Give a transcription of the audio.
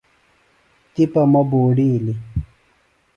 تِپہ مہ بوڈِیلیۡ